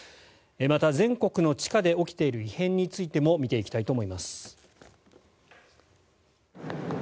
また、全国の地下で起きている異変についても見ていきたいと思います。